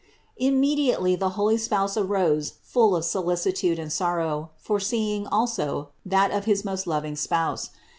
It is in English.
Imme diately the holy spouse arose full of solicitude and sor row, foreseeing also that of his most loving Spouse.